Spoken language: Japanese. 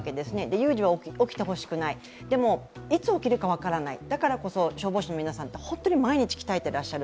有事は起きてほしくない、いつ起きるか分からない、だからこそ、消防士の皆さんって本当に毎日鍛えてらっしゃる。